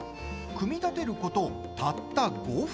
組み立てること、たった５分。